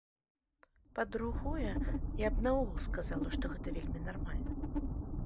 Па-другое, я б наогул сказала, што гэта вельмі нармальна.